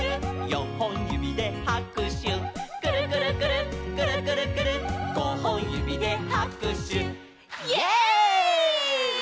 「よんほんゆびではくしゅ」「くるくるくるっくるくるくるっ」「ごほんゆびではくしゅ」イエイ！